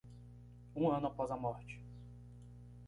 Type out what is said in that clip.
Um ano após a morte